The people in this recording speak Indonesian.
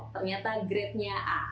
ternyata grade nya a